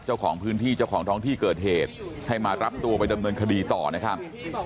เจ้าของพื้นที่เจ้าของท้องที่เกิดเหตุให้มารับตัวไปดำเนินคดีต่อนะครับ